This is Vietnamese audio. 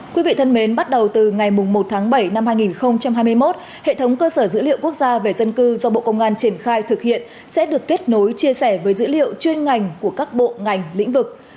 quý vị thân mến bắt đầu từ ngày một tháng bảy năm hai nghìn hai mươi một hệ thống cơ sở dữ liệu quốc gia về dân cư do bộ công an triển khai thực hiện sẽ được kết nối chia sẻ với dữ liệu chuyên ngành của các bộ ngành lĩnh vực